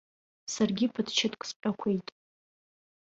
Саргьы ԥыҭчыҭк сҟьақәеит.